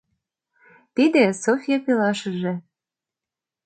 Тиде — Софья пелашыже.